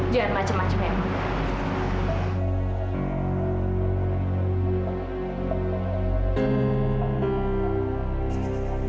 jangan macem macem ya